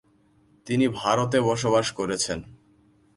তিনি ভারতে বসবাস করেছেন।